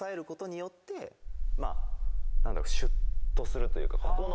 シュっとするというかここの。